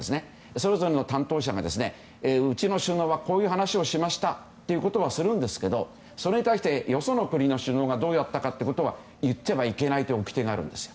それぞれの担当者がうちの首脳はこういう話をしましたという話はするんですけどそれに対してよその国の首脳がどうやったかということは言ってはいけないというおきてがあるんです。